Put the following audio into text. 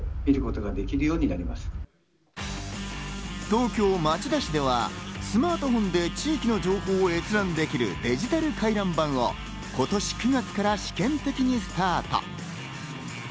東京・町田市ではスマートフォンで地域の情報を閲覧できるデジタル回覧板を今年９月から試験的にスタート。